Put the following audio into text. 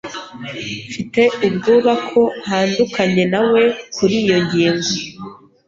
Mfite ubwoba ko ntandukanye nawe kuriyi ngingo.